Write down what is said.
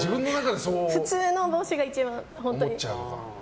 普通の帽子が一番、本当に。